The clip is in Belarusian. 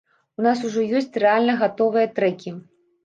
У нас ужо ёсць рэальна гатовыя трэкі!